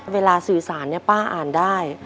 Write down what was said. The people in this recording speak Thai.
เวลาสื่อสารป้าอ่านได้